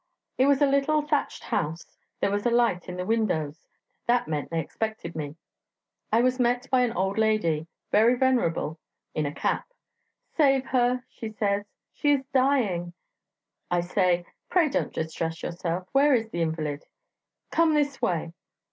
It was a little thatched house. There was a light in the windows; that meant they expected me. I was met by an old lady, very venerable, in a cap. 'Save her!' she says; 'she is dying.' I say, 'Pray don't distress yourself Where is the invalid?' 'Come this way.'